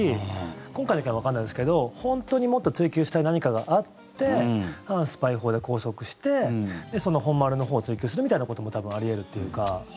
今回の件はわかんないですけど本当にもっと追及したい何かがあって反スパイ法で拘束してその本丸のほうを追及するみたいなことも多分あり得るっていうか。